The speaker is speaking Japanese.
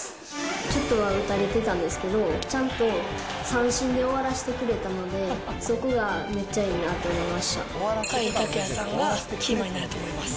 ちょっとは打たれてたんですけど、ちゃんと三振で終わらしてくれたので、そこがめっちゃいいなと思甲斐拓也さんがキーマンになると思います。